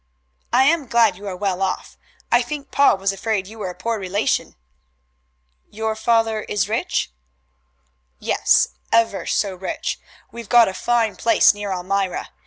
"I am glad you are well off. I think pa was afraid you were a poor relation." "Your father is rich?" "Yes, ever so rich. We've got a fine place near Elmira.